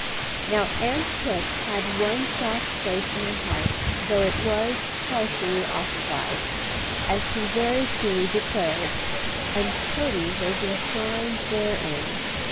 Now Aunt Kipp had one soft place in her heart, though it was partially ossified, as she very truly declared, and Toady was enshrined therein.